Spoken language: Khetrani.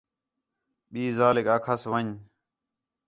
ٻئی ذالیک آکھاس وَن٘ڄ